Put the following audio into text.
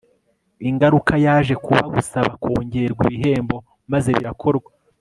ingaruka yaje kuba gusaba kongerwa ibihembo, maze birakorwa